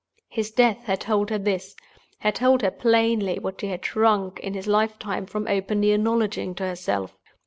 His death had told her this—had told her plainly what she had shrunk, in his lifetime, from openly acknowledging to herself.